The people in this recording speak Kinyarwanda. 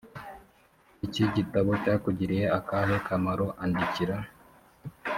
iki gitabo cyakugiriye akahe kamaro andikira